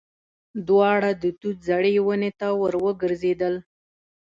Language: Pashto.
دواړه د توت زړې ونې ته ور وګرځېدل.